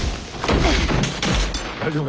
大丈夫か。